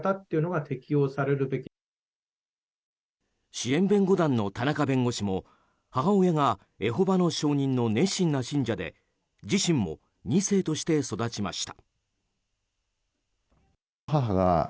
支援弁護団の田中弁護士も母親がエホバの証人の熱心な信者で自身も２世として育ちました。